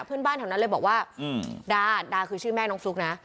เพื่อนบ้านแถวนั้นเลยบอกว่าดาดาคือชื่อแม่น้องฟลุ๊กนะ